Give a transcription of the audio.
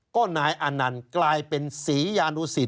ก็นายอานันต์กลายเป็นศรียานุสิต